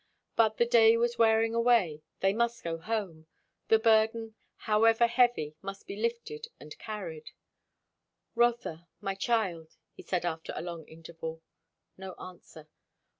But the day was wearing away; they must go home; the burden, however heavy, must be lifted and carried. "Rotha my child " he said after a long interval. No answer.